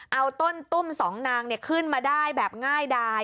เอาต้นตุ้มสองนางขึ้นมาได้แบบง่ายดาย